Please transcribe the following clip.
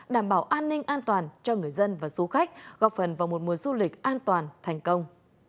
đảm bảo an ninh an toàn cho người dân và du khách góp phần vào một mùa du lịch an toàn thành công